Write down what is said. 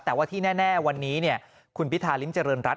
แต่ว่าที่แน่วันนี้คุณพิธาริมเจริญรัฐ